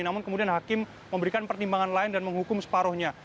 namun kemudian hakim memberikan pertimbangan lain dan menghukum separuhnya